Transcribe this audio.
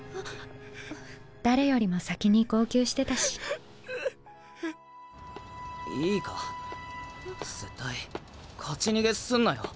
誰よりも先に号泣してたしいいか絶対勝ち逃げすんなよ！